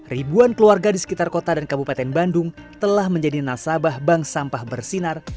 ribuan keluarga di sekitar kota dan kabupaten bandung telah menjadi nasabah bank sampah bersinar